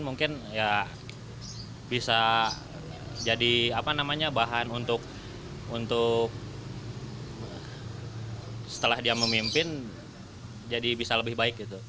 mungkin ya bisa jadi bahan untuk setelah dia memimpin jadi bisa lebih baik gitu